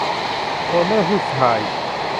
โทนเนอร์ผู้ชาย